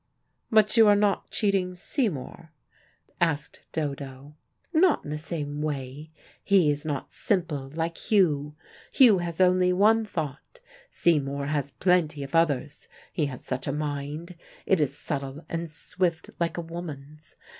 "But you are not cheating Seymour?" asked Dodo. "Not in the same way. He is not simple, like Hugh. Hugh has only one thought: Seymour has plenty of others. He has such a mind: it is subtle and swift like a woman's.